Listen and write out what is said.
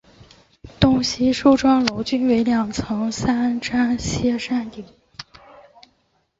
东西梳妆楼均为两层三檐歇山顶。